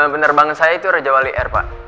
penerbangan saya itu raja wali air pak